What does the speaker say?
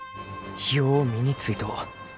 よう身についとう。